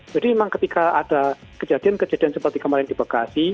jadi memang ketika ada kejadian kejadian seperti kemarin di bekasi